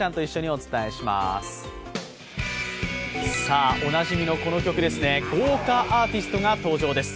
おなじみのこの曲ですね、豪華アーティストが登場です。